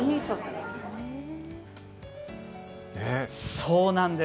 そうなんです。